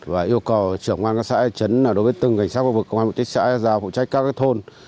và yêu cầu trưởng quan các xã hội chấn đối với từng cảnh sát và vực công an huyện tích xã giao phụ trách các thôn